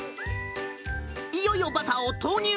いよいよバターを投入！